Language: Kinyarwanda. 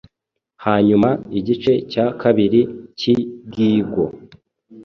Hanyuma, igice cya kabiri cyigiigo,